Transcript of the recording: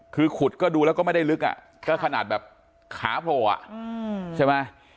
คือขุดก็ดูแล้วก็ไม่ได้ลึกอ่ะก็ขนาดแบบขาโผล่อ่ะใช่ไหม